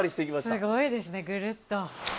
すごいですねぐるっと。